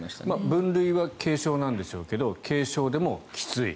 分類は軽症なんでしょうけど軽症でもきつい。